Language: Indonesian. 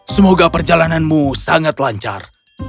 semoga perjalananmu sangat lancar